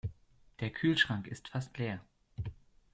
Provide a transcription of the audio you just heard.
Der Kühlschrank ist fast leer.